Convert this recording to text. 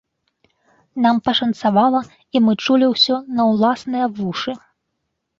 Нам пашанцавала і мы чулі ўсё на ўласныя вушы.